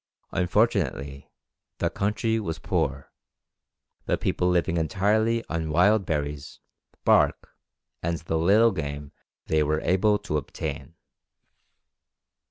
Unfortunately the country was poor, the people living entirely on wild berries, bark, and the little game they were able to obtain.